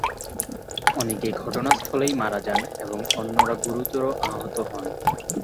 অনেকে ঘটনাস্থলেই মারা যান এবং অন্যরা গুরুতর আহত হন।